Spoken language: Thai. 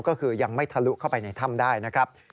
ก็คือยังไม่ทะลุเข้าไปในถ้ำได้นะครับ